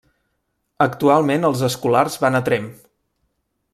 Actualment els escolars van a Tremp.